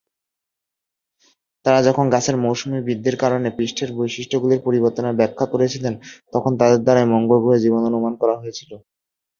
তারা যখন গাছের মৌসুমী বৃদ্ধির কারণে পৃষ্ঠের বৈশিষ্ট্যগুলির পরিবর্তনের ব্যাখ্যা করেছিলেন তখন তাদের দ্বারাই মঙ্গল গ্রহে জীবন অনুমান করা হয়েছিল।